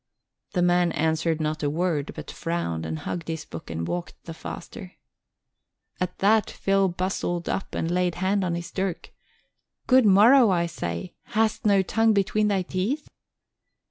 The man answered not a word but frowned and hugged his book and walked the faster. At that Phil bustled up and laid hand on his dirk. "Good morrow, I say. Hast no tongue between thy teeth?"